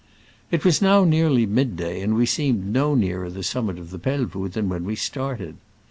It was now nearly mid day, and we seemed no nearer the summit of the Pelvoux than when we started.